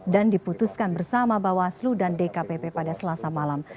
dan diputuskan bersama bawaslu dan dkpp pada selasa malam